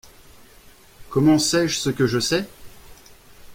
Comment sais-je ce que je sais ?